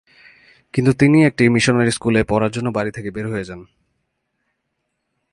কিন্তু তিনি একটি মিশনারী স্কুলে পড়ার জন্য বাড়ি থেকে বের হয়ে যান।